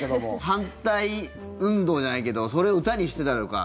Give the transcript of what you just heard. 反対運動じゃないけどそれを歌にしてたりとか。